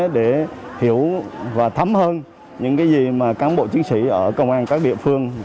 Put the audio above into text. để hiểu và thấm hơn những cái gì mà cán bộ chiến sĩ ở công an các địa phương